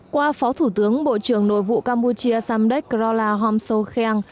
qua phó thủ tướng bộ trưởng nội vụ campuchia samdek rolahom sokhen